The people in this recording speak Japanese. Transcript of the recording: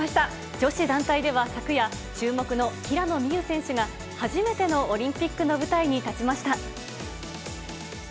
女子団体では昨夜、注目の平野美宇選手が、初めてのオリンピックの舞台に立ちました。